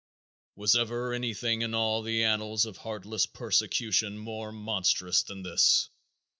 Was ever anything in all the annals of heartless persecution more monstrous than this?